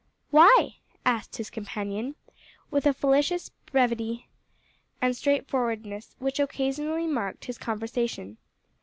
"Why?" asked his companion, with a felicitous brevity and straightforwardness which occasionally marked his conversation.